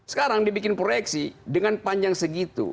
sekarang dibikin proyeksi dengan panjang segitu